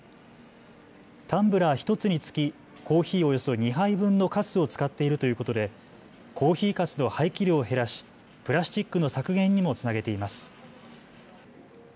タンブラー１つにつきコーヒーおよそ２杯分のかすを使っているということでコーヒーかすの廃棄量を減らしプラスチックの削減にもつなげています。